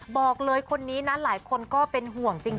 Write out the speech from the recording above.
บอกเลยคนนี้นะหลายคนก็เป็นห่วงจริง